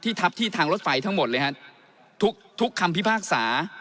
ทับที่ทางรถไฟทั้งหมดเลยฮะทุกทุกคำพิพากษา